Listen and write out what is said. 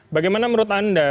bagaimana menurut anda